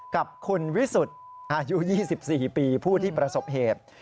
กับคุณวิสุทธิ์อายุ๒๔ปีผู้ที่ประสบเหตุ